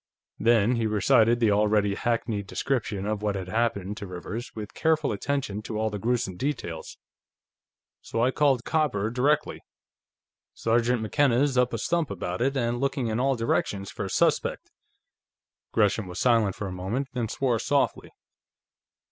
Then he recited the already hackneyed description of what had happened to Rivers, with careful attention to all the gruesome details. "So I called copper, directly. Sergeant McKenna's up a stump about it, and looking in all directions for a suspect." Gresham was silent for a moment, then swore softly.